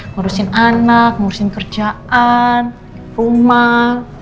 ngurusin anak ngurusin kerjaan rumah